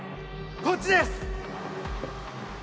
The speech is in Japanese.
・こっちです！